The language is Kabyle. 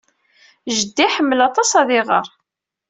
Jeddi iḥemmel aṭas ad iɣer.